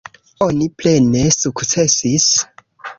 Oni plene sukcesis.